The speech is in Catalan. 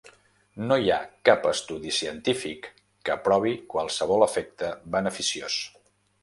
No hi ha cap estudi científic que provi qualsevol efecte beneficiós.